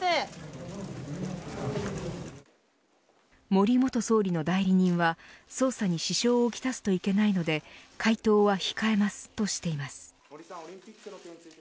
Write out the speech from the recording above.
森元総理の代理人は捜査に支障をきたすといけないので回答は控えますとしています。